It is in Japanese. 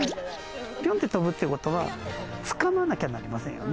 ピョンって飛ぶってことは掴まなきゃなりませんよね。